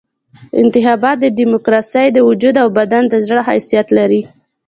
انتخابات د ډیموکراسۍ د وجود او بدن د زړه حیثیت لري.